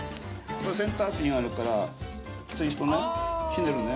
センターピンあるからツイストねひねるね。